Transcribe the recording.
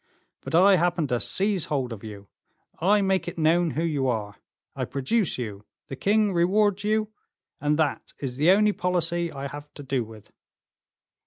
But I happen to seize hold of you; I make it known who you are; I produce you; the king rewards you; and that is the only policy I have to do with."